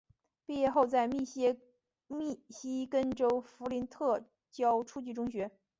毕业后在密西根州弗林特教初级中学。